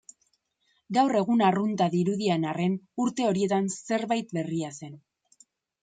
Gaur egun arrunta dirudien arren, urte horietan zerbait berria zen.